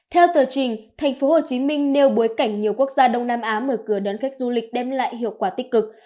theo tờ trình thành phố hồ chí minh nêu bối cảnh nhiều quốc gia đông nam á mở cửa đón khách du lịch đem lại hiệu quả tích cực